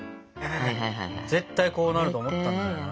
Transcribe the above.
絶対こうなると思ったんだよな。